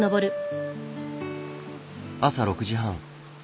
朝６時半。